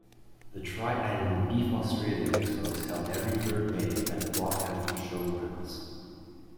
The tri-annual Beef Australia Expo is held every third May at the Rockhampton Showgrounds.